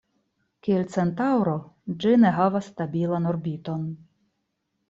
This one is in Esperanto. Kiel Centaŭro, ĝi ne havas stabilan orbiton.